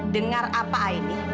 dengar apa aini